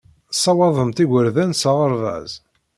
Tessawaḍemt igerdan s aɣerbaz.